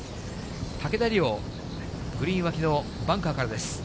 竹田麗央、グリーン脇のバンカーからです。